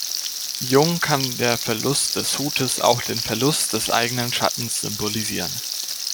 Jung kann der Verlust des Hutes auch den „Verlust des eigenen Schattens“ symbolisieren.